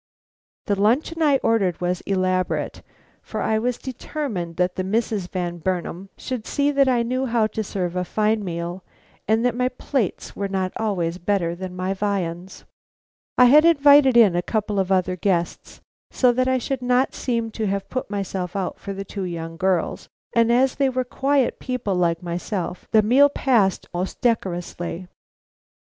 The luncheon I ordered was elaborate, for I was determined that the Misses Van Burnam should see that I knew how to serve a fine meal, and that my plates were not always better than my viands. I had invited in a couple of other guests so that I should not seem to have put myself out for two young girls, and as they were quiet people like myself, the meal passed most decorously.